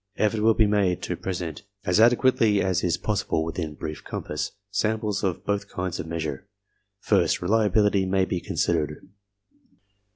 Effort will be made to present, as adequately as is possible within brief compass. 20 ARMY MENTAL TESTS samples of both kinds of measure. First, reliability may be considered.